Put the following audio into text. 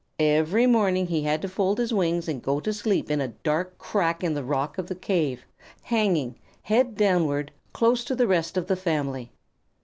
Every morning he had to fold his wings and go to sleep in a dark crack in the rock of the cave, hanging, head downward, close to the rest of the family.